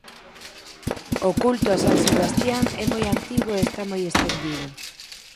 O culto a San Sebastián é moi antigo e está moi estendido.